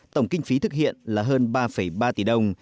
tổng kinh phí thực hiện là hơn ba ba tỷ đồng